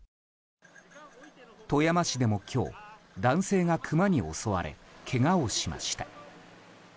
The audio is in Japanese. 富山市でも今日、男性がクマに襲われ、けがをしました。